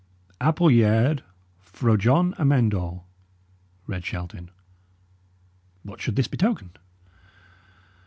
"'Appulyaird fro Jon Amend All,'" read Shelton. "What should this betoken?"